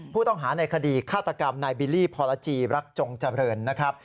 ผู้ต้องหาในคดีฆาตกรรมนายบิลลี่พรจีรักจงเจริญนะครับ